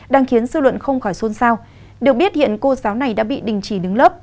đang khiến dư luận không khỏi xôn xao được biết hiện cô giáo này đã bị đình chỉ đứng lớp